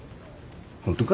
ホントか？